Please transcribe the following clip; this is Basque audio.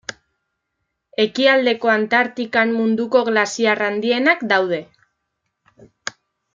Ekialdeko Antartikan munduko glaziar handienak daude.